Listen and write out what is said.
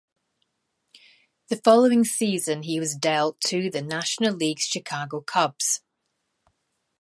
The following season he was dealt to the National League's Chicago Cubs.